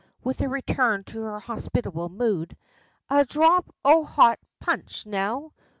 with a return to her hospitable mood "a dhrop o' hot punch, now?